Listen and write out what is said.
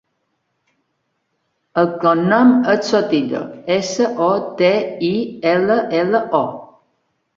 El cognom és Sotillo: essa, o, te, i, ela, ela, o.